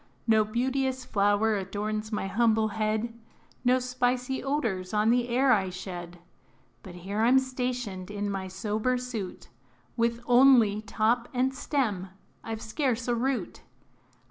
No beauteous flower adorns my humble head, No spicy odors on the air I shed; But here I 'm stationed in my sober suit, With only top and stem I 've scarce a root.